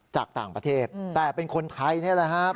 จากต่างประเทศแต่เป็นคนไทยนี่แหละครับ